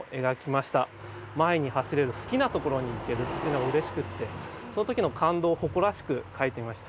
前に走れる好きなところに行けるっていうのがうれしくってその時の感動を誇らしく書いてみました。